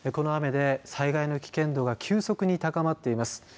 この雨で災害の危険度が急速に高まっています。